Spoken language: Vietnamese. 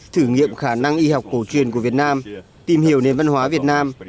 thử nghiệm khả năng y học cổ truyền của việt nam tìm hiểu nền văn hóa việt nam